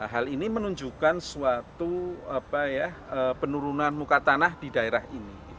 hal ini menunjukkan suatu penurunan muka tanah di daerah ini